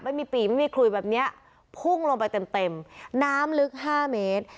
ปีไม่มีขลุยแบบเนี้ยพุ่งลงไปเต็มเต็มน้ำลึกห้าเมตร